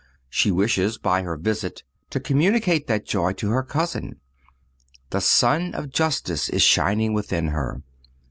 She wishes by her visit to communicate that joy to her cousin. The Sun of Justice is shining within her.